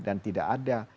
dan tidak ada